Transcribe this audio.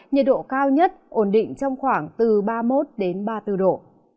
nhiệt độ cao nhất ổn định trong khoảng từ ba mươi một ba mươi bốn độ